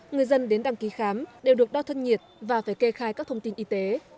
người dân đến đăng ký khám đều được đo thân nhiệt và phải kê khai các thông tin y tế